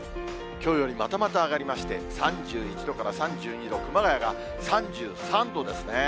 きょうよりまたまた上がりまして、３１度から３２度、熊谷が３３度ですね。